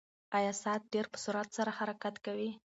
ایا ساعت ډېر په سرعت سره حرکت کوي؟